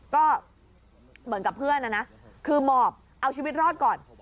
ก็เหมือนกับเพื่อนนะนะคือหมอบเอาชีวิตรอดก่อน